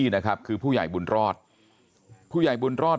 นี่นะครับคือผู้ใหญ่บุญรอดผู้ใหญ่บุญรอด